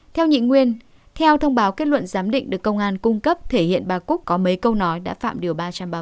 theo nhị nguyên theo thông báo kết luận giám định được công an cung cấp thể hiện bà cúc có mấy câu nói đã phạm điều ba trăm ba mươi